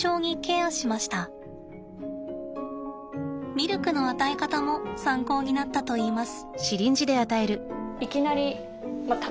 ミルクの与え方も参考になったといいます。